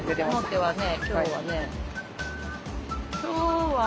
表はね。